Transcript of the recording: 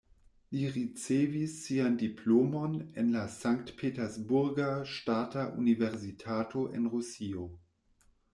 Li ricevis sian diplomon en la Sankt-Peterburga Ŝtata Universitato en Rusio.